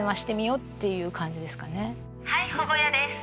はい保護家です。